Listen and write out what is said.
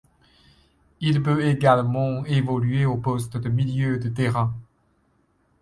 Il peut également évoluer au poste de milieu de terrain.